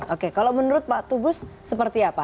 oke kalau menurut pak tubus seperti apa